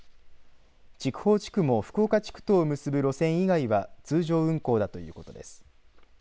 筑豊地区も福岡地区とを結ぶ路線以外は通常運行だということです。